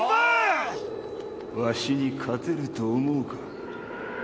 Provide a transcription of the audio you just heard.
わしに勝てると思うか？